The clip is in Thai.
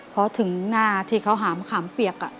พอถึงหน้าที่เขาหามขามเปียก